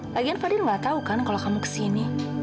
lagian fadil nggak tahu kan kalau kamu kesini